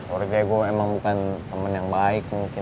orde gue emang bukan temen yang baik mungkin